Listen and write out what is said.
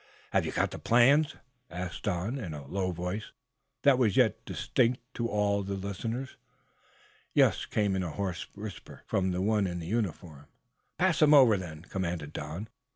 "Have you got the plans?" asked Don, in a low voice that was yet distinct to all the listeners. "Yes," came in a hoarse whisper, from the one in uniform. "Pass them over, then," commanded Don.